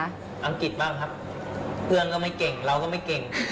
อังกฤษบ้างครับเพื่อนก็ไม่เก่งเราก็ไม่เก่ง